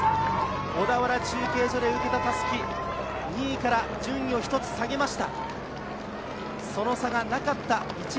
小田原中継所で受けた襷、２位から順位を１つ下げました。